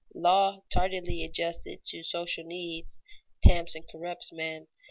Law tardily adjusted to social needs tempts and corrupts men.